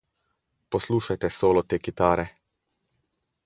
Poslušajte solo te kitare!